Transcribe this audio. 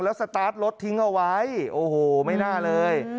แล้วสตาร์ทรถทิ้งเอาไว้โอ้โหไม่น่าเลย